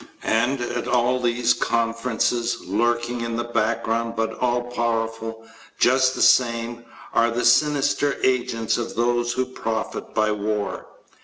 And at all these conferences, lurking in the background but all powerful, just the same, are the sinister agents of those who profit by war.